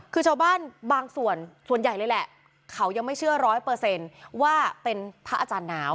คือชาวบ้านบางส่วนส่วนใหญ่เลยแหละเขายังไม่เชื่อร้อยเปอร์เซ็นต์ว่าเป็นพระอาจารย์หนาว